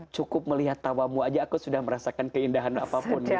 cukup melihat tawamu aja aku sudah merasakan keindahan apapun